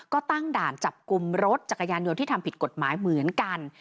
ก็ตั้งด่านจับกลุ่มรถจักรยานยนต์ที่ทำผิดกฎหมายเหมือนกัน